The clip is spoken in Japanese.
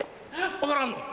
分からんの？